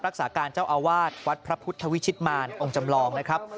รักษาการเจ้าอาวาสวัดพระพุทธวิชิตมารองค์จำลองนะครับ